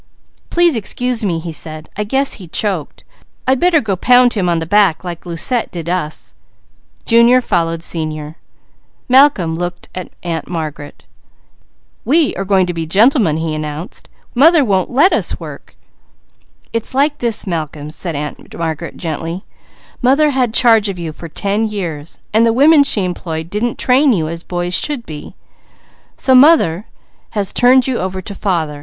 "Please excuse me," he said. "I guess he's choked. I'd better go pound him on the back like Lucette does us." Malcolm looked at Aunt Margaret. "Mother won't let us work," he announced. "It's like this Malcolm," said Aunt Margaret gently. "Mother had charge of you for ten years. The women she employed didn't train you as boys should be, so mother has turned you over to father.